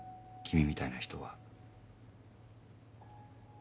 君みたいな人は。